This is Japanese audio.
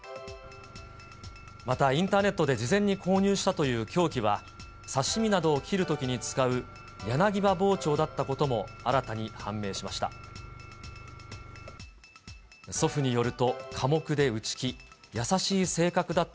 また、インターネットで事前に購入したという凶器は、刺身などを切るときに使う柳刃包丁だったことも新たに判明しました。